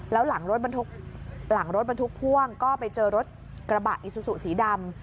แล้วหลังรถบรรทุกค่วงก็ไปเจอรถกระบะอิซูสุสีดำ